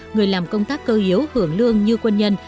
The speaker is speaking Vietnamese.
người làm công tác cơ yếu hưởng lương như quân nhân